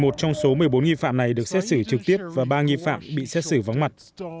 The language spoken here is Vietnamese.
một trong số một mươi bốn nghi phạm này được xét xử trực tiếp và ba nghi phạm bị xét xử vắng mặt